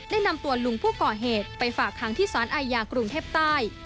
ได้นำตัวลุงผู้ก่อเหตุไปฝากค้างที่สารอาญากรุงเทพใต้